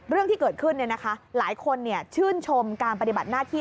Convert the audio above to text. เรื่องที่เกิดขึ้นหลายคนชื่นชมการปฏิบัติหน้าที่